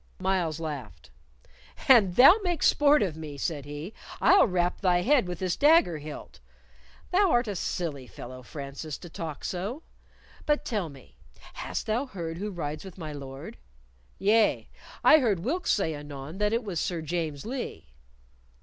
Myles laughed. "An thou make sport of me," said he, "I'll rap thy head with this dagger hilt. Thou art a silly fellow, Francis, to talk so. But tell me, hast thou heard who rides with my Lord?" "Yea, I heard Wilkes say anon that it was Sir James Lee."